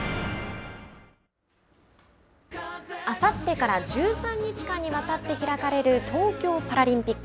あさってから１３日間にわたって開かれる東京パラリンピック。